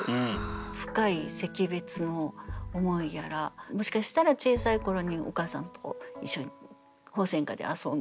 深い惜別の思いやらもしかしたら小さい頃にお母さんと一緒に鳳仙花で遊んだ。